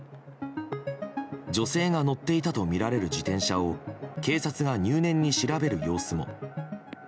女性が乗っていたとみられる自転車を警察が入念に調べる様子も。